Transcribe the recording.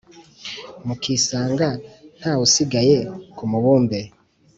Mukisanga ntaw' usigaye kumubumbe